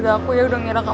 jangan lupa untuk mencari